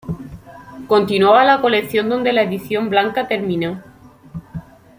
Continuaba la colección donde la edición blanca terminó.